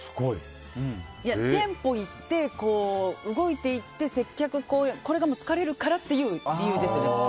店舗行って、動いて行って接客が疲れるからという流れですね。